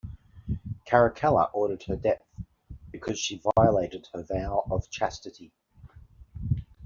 Caracalla ordered her death, because she violated her vow of chastity.